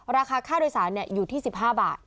ราคาค่าโดยสารอยู่ที่๑๕บาท